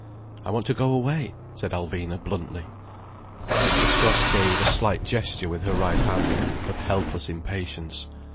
"I want to go away," said Alvina bluntly. Miss Frost gave a slight gesture with her right hand, of helpless impatience.